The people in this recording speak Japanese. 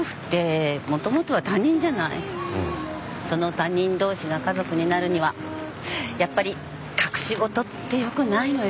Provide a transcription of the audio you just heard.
その他人同士が家族になるにはやっぱり隠し事ってよくないのよ。